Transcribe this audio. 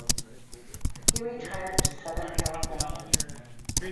He retired to southern California.